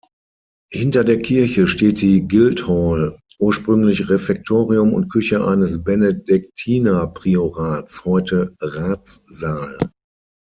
Hinter der Kirche steht die Guildhall, ursprünglich Refektorium und Küche eines Benediktiner-Priorats, heute Ratssaal.